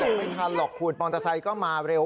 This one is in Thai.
ไม่ทันหรอกคุณมอเตอร์ไซค์ก็มาเร็ว